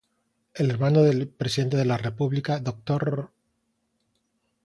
El hermano del Presidente de la República, Dr.